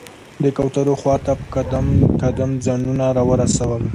د کوترو خواته په قدم قدم ځانونه راورسول.